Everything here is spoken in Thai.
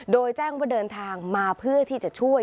โดยแจ้งว่าเดินทางมาเพื่อที่จะช่วย